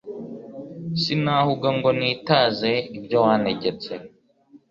sinahuga ngo nitaze ibyo wantegetse